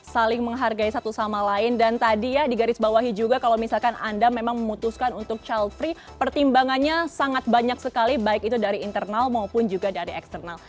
saling menghargai satu sama lain dan tadi ya digarisbawahi juga kalau misalkan anda memang memutuskan untuk child free pertimbangannya sangat banyak sekali baik itu dari internal maupun juga dari eksternal